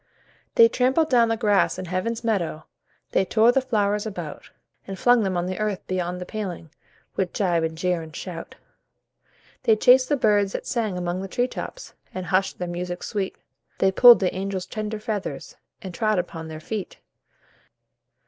They trampled down the grass in Heaven's Meadow, They tore the flowers about, And flung them on the earth beyond the paling, With gibe, and jeer, and shout. They chased the birds that sang among the tree tops And hushed their music sweet, They pulled the little angels' tender feathers And trod upon their feet.